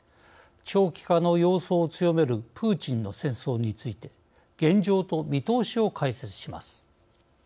長期化の様相を強めるプーチンの戦争について現状と見通しを解説します。